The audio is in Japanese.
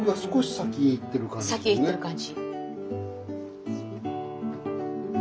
先行ってる感じ。